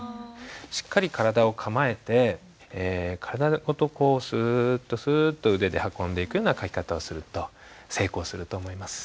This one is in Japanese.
しっかり体を構えて体ごとこうスッとスッと腕で運んでいくような書き方をすると成功すると思います。